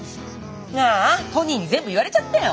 ああトニーに全部言われちゃったよ。